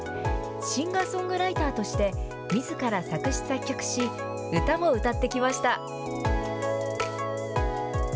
シンガーソングライターとしてみずから作詞作曲し、歌も歌ってきました。